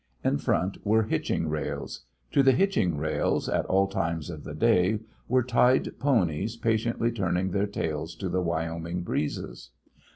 In front were hitching rails. To the hitching rails, at all times of the day, were tied ponies patiently turning their tails to the Wyoming breezes.